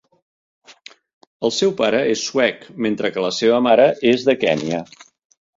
El seu pare és suec, mentre que la seva mare és de Kènia.